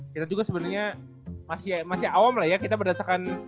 kita juga sebenarnya masih awam lah ya kita berdasarkan